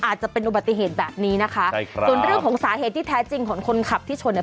อาจจะเป็นอุบัติเหตุแบบนี้นะคะใช่ครับส่วนเรื่องของสาเหตุที่แท้จริงของคนขับที่ชนเนี่ย